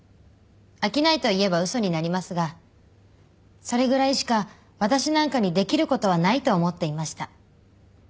飽きないと言えば嘘になりますがそれぐらいしか私なんかにできる事はないと思っていました。